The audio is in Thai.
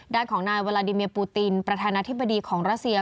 ด้านของนายวาลาดิเมียปูตินประธานาธิบดีของรัสเซีย